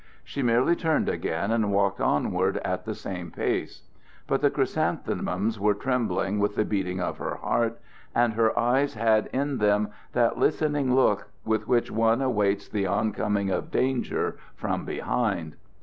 She merely turned again and walked onward at the same pace. But the chrysanthemums were trembling with the beating of her heart, and her eyes had in them that listening look with which one awaits the oncoming of danger from behind.